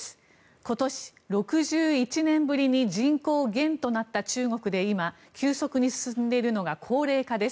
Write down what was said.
今年、６１年ぶりに人口減となった中国で今急速に進んでいるのが高齢化です。